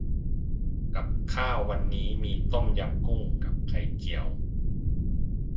กับข้าววันนี้มีต้มยำกุ้ง กับไข่เจียว